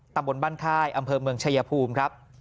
ตำบลบ้านค่ายอำเภอเมืองชายภูมิครับ